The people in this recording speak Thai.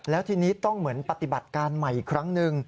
แล้วทีนี้ต้องเหมือนปฏิบัติการใหม่อีกครั้งหนึ่ง